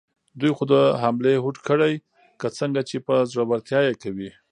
دوی خو د حملې هوډ کړی، که څنګه، چې په زړورتیا یې کوي؟